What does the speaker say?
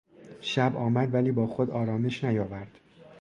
شب آمد ولی با خود آرامش نیاورد.